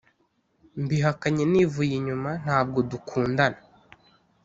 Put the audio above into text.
Mbihakanye nivuye inyuma ntabwo dukundana